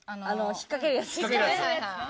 引っ掛けるやつ。